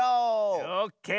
オッケー。